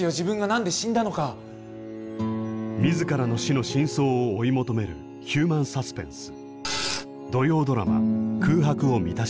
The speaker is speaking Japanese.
自らの死の真相を追い求めるヒューマンサスペンス。